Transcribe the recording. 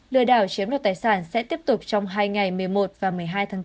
lừa đảo chiếm đoạt tài sản sẽ tiếp tục trong hai ngày một mươi một và một mươi hai tháng bốn